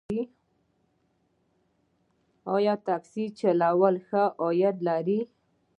آیا ټکسي چلول ښه عاید لري؟